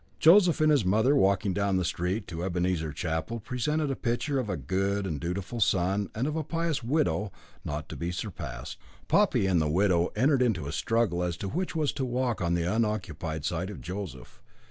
Joseph and his mother walking down the street to Ebenezer Chapel presented a picture of a good and dutiful son and of a pious widow not to be surpassed. Poppy and the widow entered into a struggle as to which was to walk on the unoccupied side of Joseph.